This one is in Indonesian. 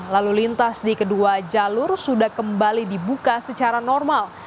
lalu lintas di kedua jalur sudah kembali dibuka secara normal